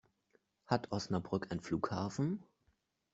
Hat Osnabrück einen Flughafen?